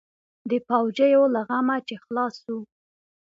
د پوجيو له غمه چې خلاص سو.